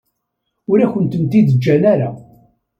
Ur akent-ten-id-ǧǧan ara.